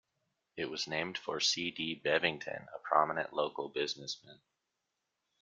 It was named for C. D. Bevington, a prominent local businessman.